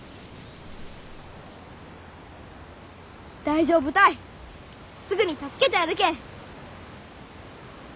大丈夫たいすぐに助けてやるけん。